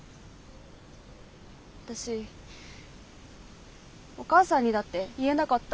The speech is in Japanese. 私お母さんにだって言えなかった。